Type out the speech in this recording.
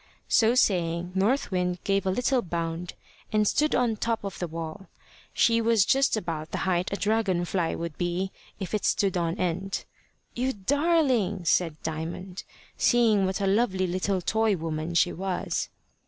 So saying, North Wind gave a little bound, and stood on the top of the wall. She was just about the height a dragon fly would be, if it stood on end. "You darling!" said Diamond, seeing what a lovely little toy woman she was.